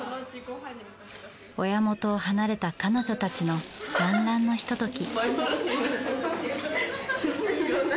親元を離れた彼女たちの団らんのひととき。